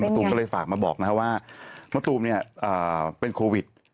ตูมก็เลยฝากมาบอกว่ามะตูมเป็นโควิด